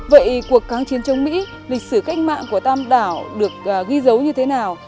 vậy cuộc kháng chiến chống mỹ lịch sử cách mạng của tam đảo được ghi dấu như thế nào